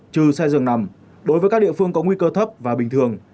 trừ xe dường nằm đối với các địa phương có nguy cơ thấp và bình thường